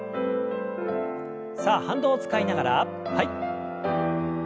さあ反動を使いながらはい。